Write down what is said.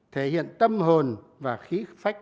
thể hiện tâm hồn và khí phách